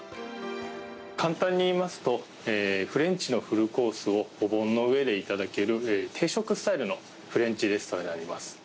簡単にいいますと、フレンチのフルコースをお盆の上で頂ける定食スタイルのフレンチレストランになります。